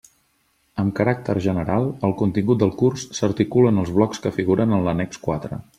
Amb caràcter general el contingut del curs s'articula en els blocs que figuren en l'annex quatre.